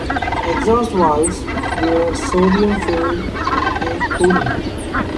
Exhaust valves were sodium-filled to aid cooling.